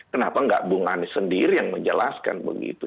kenapa nggak bung anies sendiri yang menjelaskan begitu